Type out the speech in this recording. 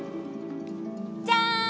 じゃん！